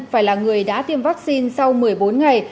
phải là người đã tiêm vaccine sau một mươi bốn ngày